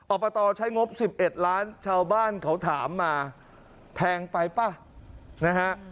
อบตใช้งบ๑๑ล้านชาวบ้านเขาถามมาแพงไปป่ะนะฮะ